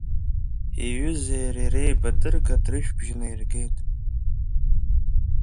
Иҩы-зеи иареи реибадырга атрышә бжьы наиргеит.